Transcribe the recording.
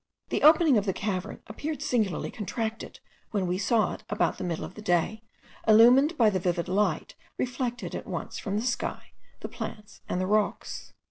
The opening of the cavern appeared singularly contracted, when we saw it about the middle of the day, illumined by the vivid light reflected at once from the sky, the plants, and the rocks.